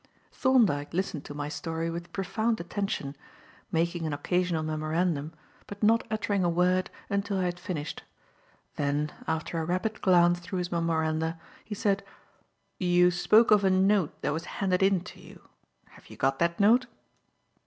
Thorndyke listened to my story with profound attention, making an occasional memorandum but not uttering a word until I had finished. Then, after a rapid glance through his memoranda, he said: "You spoke of a note that was handed in to you. Have you got that note?"